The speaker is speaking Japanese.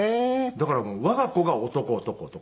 だから我が子が男男男。